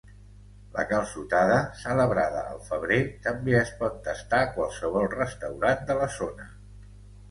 La calçotada, celebrada al febrer, també es pot tastar a qualsevol restaurant de la zona.